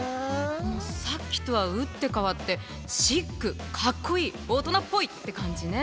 さっきとは打って変わってシックかっこいい大人っぽいって感じね。